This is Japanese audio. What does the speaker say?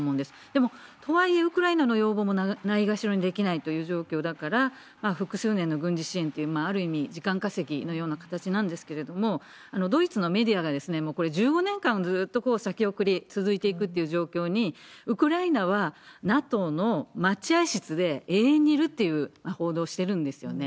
でも、とはいえ、ウクライナの要望もないがしろにできないという状況だから、複数年の、軍事支援という、ある意味時間稼ぎのような形なんですけれども、ドイツのメディアが、これ、１５年間ずっと先送り続いていくっていう状況に、ウクライナは、ＮＡＴＯの待合室で永遠にいるっていう報道をしてるんですよね。